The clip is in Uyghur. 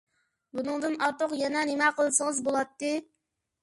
بۇنىڭدىن ئارتۇق يەنە نېمە قىلسىڭىز بولاتتى؟